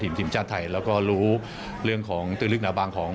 ทีมชาติไทยแล้วก็รู้เรื่องของตื้อลึกหนาบางของ